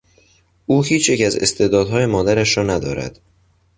او هیچ یک از استعدادهای مادرش را ندارد.